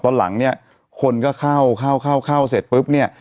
ตอนหลังเนี่ยคนก็เข้าเข้าเสร็จปุ๊บเนี่ย